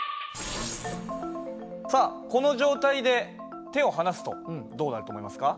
さあこの状態で手を離すとどうなると思いますか？